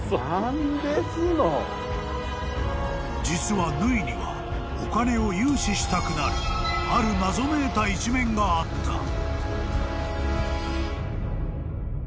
［実は縫にはお金を融資したくなるある謎めいた一面があった］